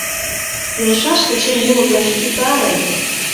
— Илышаш кечем уло гын, утаре!